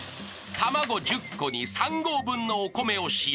卵１０個に３合分のお米を使用］